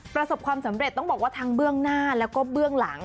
ประสบความสำเร็จต้องบอกว่าทั้งเบื้องหน้าแล้วก็เบื้องหลัง